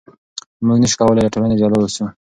موږ نشو کولای له ټولنې جلا اوسو.